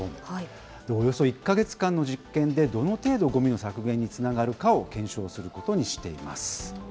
およそ１か月間の実験で、どの程度ごみの削減につながるかを検証することにしています。